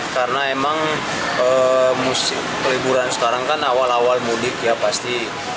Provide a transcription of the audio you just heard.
karena emang musim liburan sekarang kan awal awal mudik ya pasti